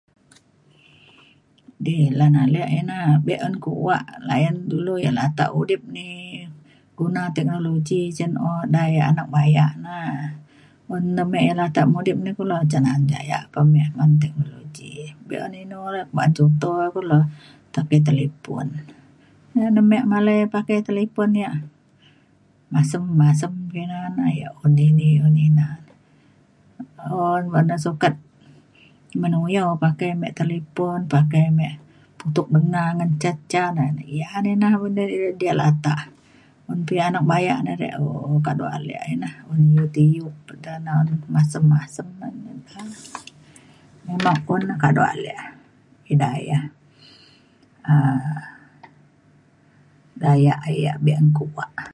di lan ale ina. be’un kuak layan dulu yak latak udip ni guna teknologi cen o de anak anak bayak na. un na me latak mudip ni kulu te na’at gayak pa me men teknologi be’un inu re. ba’an contoh e kulu na re [unintelligible] talipon. nyi are me malai pakai talipon yak masem masem ina na kuak ina [unintelligible] un bada sukat menuyau pakai ame talipon pakai me tutuk ngena ngan ca ca na na yah ne na un dulu diak latak. un pa anak bayak na re kado ale ina un YouTube pa ina masem masem [unintelligible] memang un kado ale ida yak um gayak yak be’un kuak